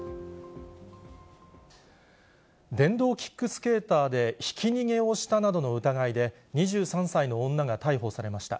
電動キックスケーターでひき逃げをしたなどの疑いで、２３歳の女が逮捕されました。